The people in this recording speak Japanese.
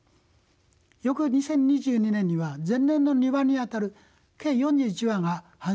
翌２０２２年には前年の２倍にあたる計４１羽が繁殖しました。